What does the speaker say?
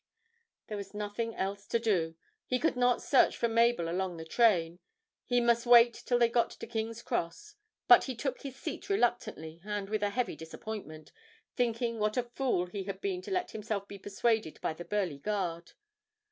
There was nothing else to do; he could not search for Mabel along the train; he must wait till they got to King's Cross; but he took his seat reluctantly and with a heavy disappointment, thinking what a fool he had been to let himself be persuaded by the burly guard.